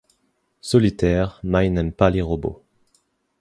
Solitaire, Mai n'aime pas les robots.